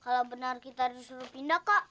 kalau benar kita disuruh pindah kak